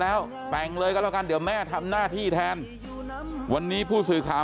แล้วแต่งเลยก็แล้วกันเดี๋ยวแม่ทำหน้าที่แทนวันนี้ผู้สื่อข่าว